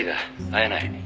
会えない」